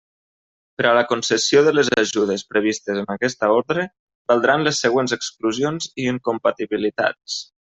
Per a la concessió de les ajudes previstes en aquesta ordre, valdran les següents exclusions i incompatibilitats.